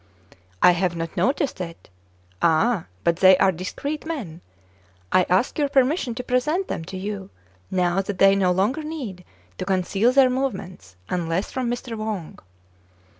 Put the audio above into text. " I have not noticed it." •" Ah ! but they are discreet men. I ask your permission to present them to you, now that they no longer need to conceal their movements, unless from Mr. Wang."